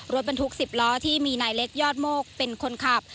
รถบรรทุก๑๐ล้อที่มีนายเล็กยอดโมกเป็นคนขับ